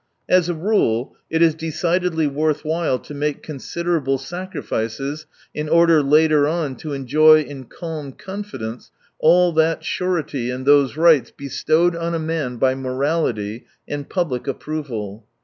As a rule it is decidedly worth while to make con siderable sacrifices in order later on to enjoy in calm confidence all that surety and those rights bestowed on a man by morality and public approval.